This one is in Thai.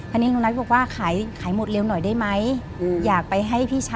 อันนี้พระนุนัทบอกว่าขายหมดเร็วหน่อยได้ไหม